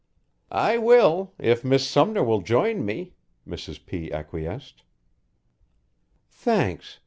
"I will, if Miss Sumner will join me," Mrs. P. acquiesced. "Thanks.